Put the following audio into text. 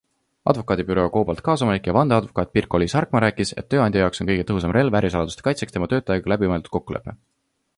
Advokaadibüroo Cobalt kaasomanik ja vandeadvokaat Pirkko-Liis Harkmaa rääkis, et tööandja jaoks on kõige tõhusam relv ärisaladuste kaitseks teha töötajaga läbimõeldud kokkulepe.